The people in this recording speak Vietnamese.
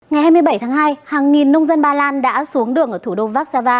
ngày hai mươi bảy tháng hai hàng nghìn nông dân ba lan đã xuống đường ở thủ đô vác xa va